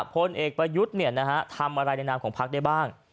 พลเอกประยุทธ์ทำอะไรในนามของพักได้บ้าง